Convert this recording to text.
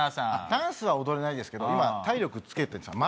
ダンスは踊れないですけど今体力つけてるんですよ